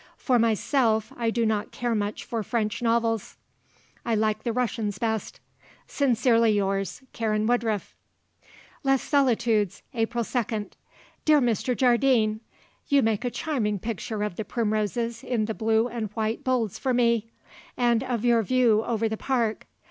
For myself I do not care much for French novels. I like the Russians best. Sincerely yours, "Karen Woodruff." "Les Solitudes, "April 2nd. "Dear Mr. Jardine, You make a charming picture of the primroses in the blue and white bowls for me. And of your view over the park.